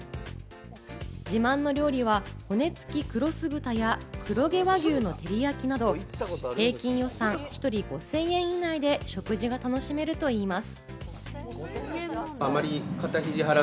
自慢の料理は骨付き黒酢豚や、黒毛和牛の照り焼きなど平均予算１人５０００円以内で食事が楽しめるといいます。